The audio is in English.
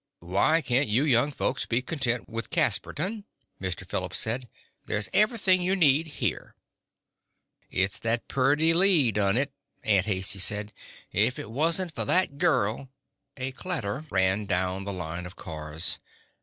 "Why can't you young folks be content with Casperton?" Mr. Phillips said. "There's everything you need here." "It's that Pretty Lee done it," Aunt Haicey said. "If it wasn't for that girl " A clatter ran down the line of cars.